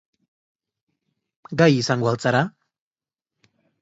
Gai izango al zara?